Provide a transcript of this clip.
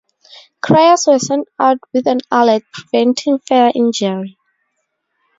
Criers were sent out with an alert, preventing further injury.